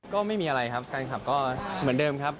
ก็ไม่มีอะไรครับแฟนคลับก็เหมือนเดิมครับ